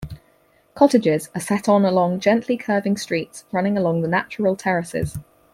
Cottages are set on along gently curving streets running along the natural terraces.